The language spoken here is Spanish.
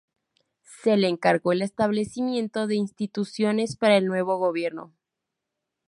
Se le encargó el establecimiento de instituciones para el nuevo gobierno.